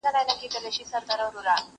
میلمه خپل رزق له ځان سره راوړي.